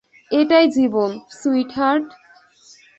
এটাই জীবন, সুইটহার্ট।